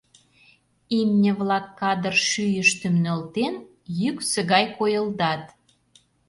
Имне-влак кадыр шӱйыштым нӧлтен, йӱксӧ гай койылдат.